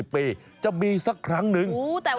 ๑๕๐ปีจะมีสักครั้งหนึ่ง